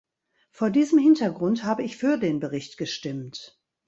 Vor diesem Hintergrund habe ich für den Bericht gestimmt.